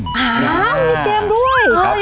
อ้าวมีเกมด้วย